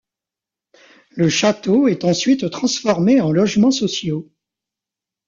Le château est ensuite transformé en logements sociaux.